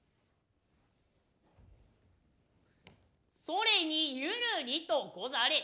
それに寛りとござれ。